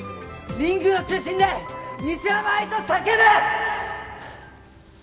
リングの中心で「西山愛」と叫ぶ！